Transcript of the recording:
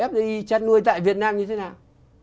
fdi chăn nuôi tại việt nam như thế nào